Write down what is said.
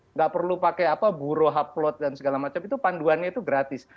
nggak perlu pakai apa buruh upload dan segala macam itu panduannya itu gratis